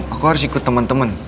aku harus ikut temen temen